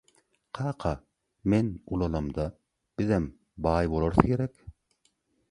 Kaka, men ulalamda bizem baý bolarys gerek?..